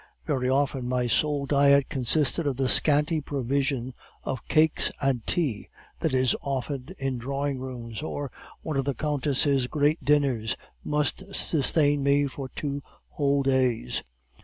Very often my sole diet consisted of the scanty provision of cakes and tea that is offered in drawing rooms, or one of the countess' great dinners must sustain me for two whole days.